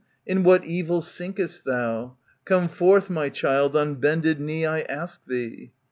In what evil sinkest thou? Come forth, my child, on bended knee I ask thee."